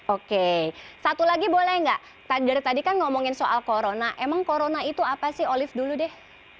oke satu lagi boleh nggak dari tadi kan ngomongin soal corona emang corona itu apa sih olive dulu deh